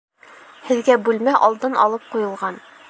Һеҙгә бүлмә алдан алып ҡуйылған